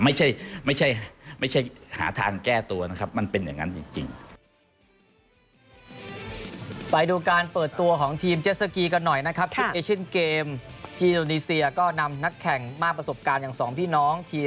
ไม่ใช่ไม่ใช่หาทางแก้ตัวนะครับมันเป็นอย่างนั้นจริง